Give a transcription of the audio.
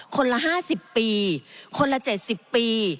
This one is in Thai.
คนละ๕๐ปีคนละ๗๐ปี